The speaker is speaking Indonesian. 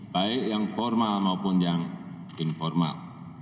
baik yang formal maupun yang informal